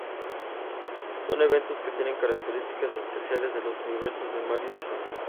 Son eventos que tienen características especiales de los universos de Mario y Sonic.